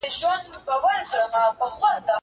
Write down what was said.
زه له سهاره لوښي وچوم؟!